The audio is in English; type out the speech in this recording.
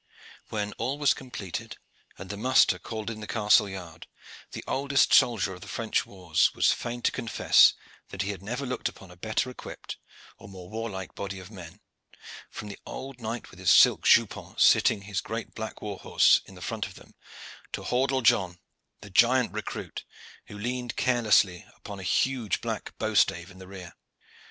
When all was completed and the muster called in the castle yard the oldest soldier of the French wars was fain to confess that he had never looked upon a better equipped or more warlike body of men, from the old knight with his silk jupon, sitting his great black war horse in the front of them, to Hordle John, the giant recruit, who leaned carelessly upon a huge black bow stave in the rear.